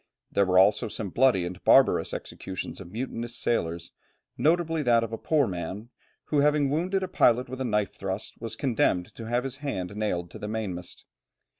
There were also some bloody and barbarous executions of mutinous sailors, notably that of a poor man, who having wounded a pilot with a knife thrust, was condemned to have his hand nailed to the mainmast.